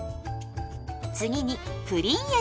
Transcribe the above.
次にプリン液。